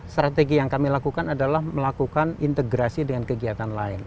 strategi yang kami lakukan adalah melakukan integrasi dengan kegiatan lain